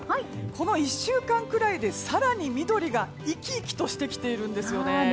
この１週間くらいで更に緑が生き生きとしてきているんですよね。